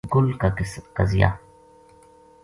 گل کا قضیہ